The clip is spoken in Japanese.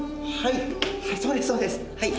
そうですそうですはい。